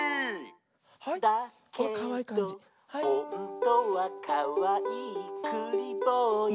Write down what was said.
「だけどほんとはかわいいくりぼうや」